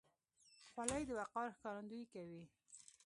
خولۍ د وقار ښکارندویي کوي.